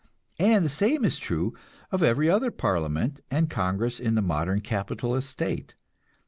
And the same is true of every other parliament and congress in the modern capitalist state.